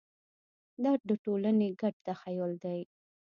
دا د ټولنې ګډ تخیل دی.